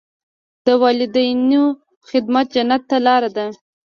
د والدینو خدمت جنت ته لاره ده.